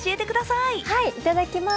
いただきます。